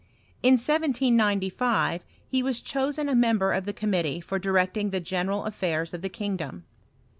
In 1795 he was chosen a member of the committee for directing the general affairs of the kingdom.